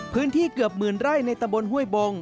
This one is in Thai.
พื้นที่เกือบหมื่นไร่ในตะบนห้วยบง